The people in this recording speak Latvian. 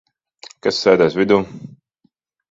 Kas sēdēs vidū?